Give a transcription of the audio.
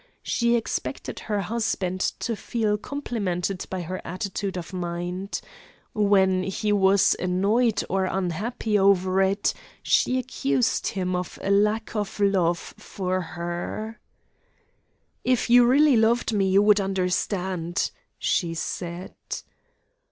She expected her husband to feel complimented by her attitude of mind. When he was annoyed or unhappy over it, she accused him of a lack of love for her. 'If you really loved me, you would understand,' she said.